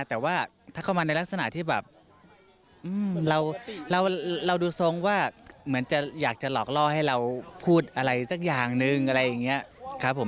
แต่ว่าถ้าเข้ามาในลักษณะที่แบบเราดูทรงว่าเหมือนจะอยากจะหลอกล่อให้เราพูดอะไรสักอย่างนึงอะไรอย่างนี้ครับผม